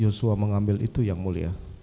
yosua mengambil itu yang mulia